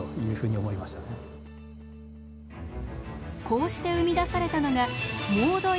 こうして生み出されたのがモード